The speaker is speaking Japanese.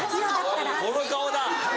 この顔だ！